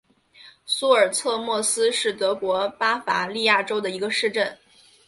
苏尔策莫斯是德国巴伐利亚州的一个市镇。